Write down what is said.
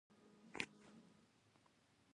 د وطن خاوره د سترګو رانجه ده.